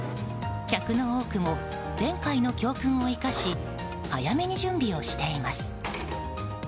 客の多くも前回の教訓を生かし早めに準備をしています。